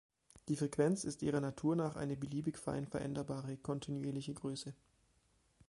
Die Frequenz ist ihrer Natur nach eine beliebig fein veränderbare, kontinuierliche Größe.